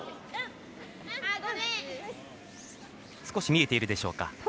少し見えているでしょうか。